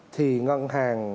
thì ngân hàng